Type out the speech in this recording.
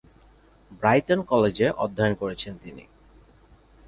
Brighton কলেজে অধ্যয়ন করেছেন তিনি।